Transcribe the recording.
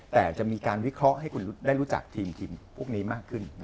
แต่จะมีการวิเคราะห์ให้คุณได้รู้จักทีมพวกนี้มากขึ้น